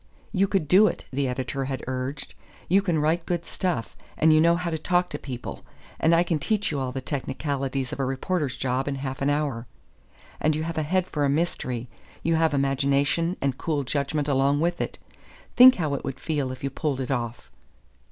"You could do it," the editor had urged. "You can write good stuff, and you know how to talk to people, and I can teach you all the technicalities of a reporter's job in half an hour. And you have a head for a mystery; you have imagination and cool judgment along with it. Think how it would feel if you pulled it off!"